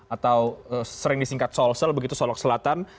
atau sering disingkat solsel begitu solok selatan